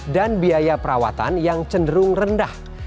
dan biaya perawatan yang cenderung rendah